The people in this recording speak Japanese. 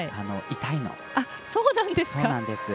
そうなんですね。